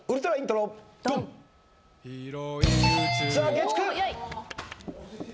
月９！